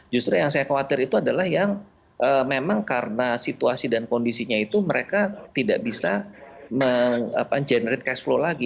justru yang saya khawatir itu adalah yang memang karena situasi dan kondisinya itu mereka tidak bisa meng generate cash flow lagi